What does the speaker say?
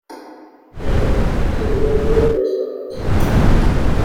pero que yo creo que esta noche